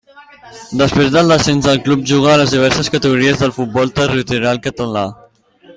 Després del descens el club jugà a les diverses categories del futbol territorial català.